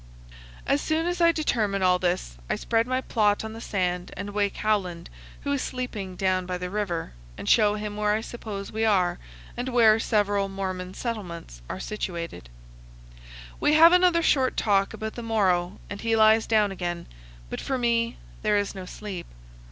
As soon as I determine all this, I spread my plot on the sand and wake Howland, who is sleeping down by the river, and show him where I suppose we are, and where several Mormon settlements are situated. TO THE FOOT OF THE GRAND CANYON. 279 We have another short talk about the morrow, and he lies down again; but for me there is no sleep.